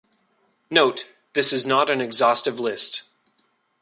Note: This is not an exhaustive list.